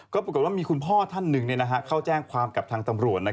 ก็ปรากฏว่ามีคุณพ่อท่านหนึ่งเข้าแจ้งความกับทางตำรวจ